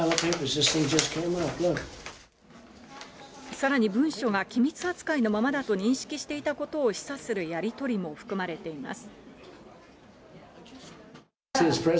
さらに文書が機密扱いのままだと認識していたことも示唆するやり取りも含まれています。